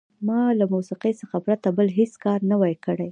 ما به له موسیقۍ څخه پرته بل هېڅ کار نه وای کړی.